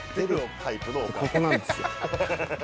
ここなんですよ。